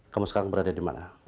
kamu sekarang berada di mana